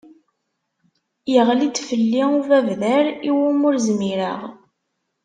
Yeɣli-d fell-i ubabder i wumi ur zmireɣ.